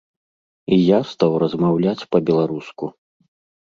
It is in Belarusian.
І я стаў размаўляць па-беларуску.